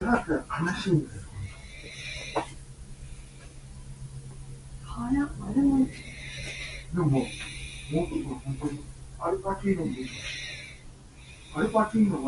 The song also features limited new elements from Guy Roche and Shelly Peiken.